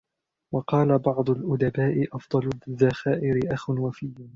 وَقَالَ بَعْضُ الْأُدَبَاءِ أَفْضَلُ الذَّخَائِرِ أَخٌ وَفِيٌّ